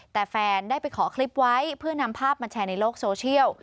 แต่แฟนได้ไปขอคลิปไว้เพื่อนำภาพมาแชร์ในโลกโซเชียล